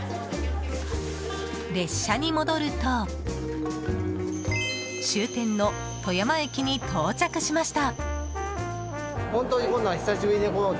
列車に戻ると終点の富山駅に到着しました。